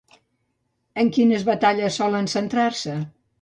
En quines batalles solen centrar-se?